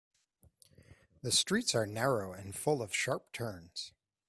The streets are narrow and full of sharp turns.